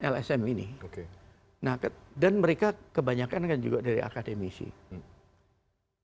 lsm ini nah dan mereka kebanyakan juga dari akademisi pendekatannya nanti bisa pendekatan